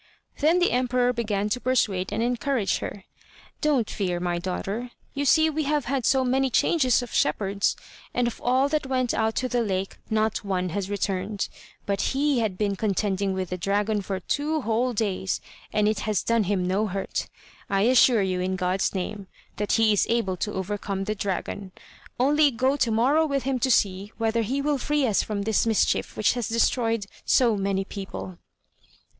Then the emperor began to persuade and encourage her: "Don't fear, my daughter; you see we have had so many changes of shepherds, and of all that went out to the lake not one has returned; but he had been contending with the dragon for two whole days and it has done him no hurt. I assure you, in God's name, that he is able to overcome the dragon, only go to morrow with him to see whether he will free us from this mischief which has destroyed so many people."